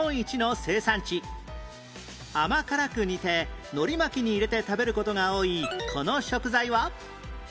甘辛く煮てのり巻きに入れて食べる事が多いこの食材は？